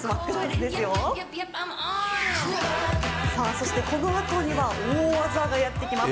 そしてこのあとには大技がやってきます。